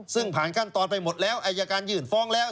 ซึ่งผ่านขั้นตอนไปหมดแล้วอายการยื่นฟ้องแล้ว